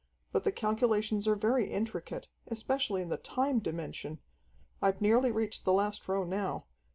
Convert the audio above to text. But the calculations are very intricate, especially in the time dimension. I've nearly reached the last row now.